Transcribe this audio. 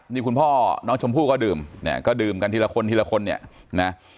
นี่คุณพ่อน้องชมพู่ก็ดื่มเนี่ยก็ดื่มกันทีละคนทีละคนเนี่ยนะ